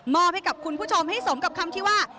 อบให้กับคุณผู้ชมให้สมกับคำที่ว่า